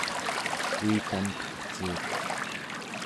uitanqegciuq